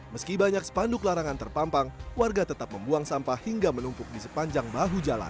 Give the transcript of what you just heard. meski banyak spanduk larangan terpampang warga tetap membuang sampah hingga menumpuk di sepanjang bahu jalan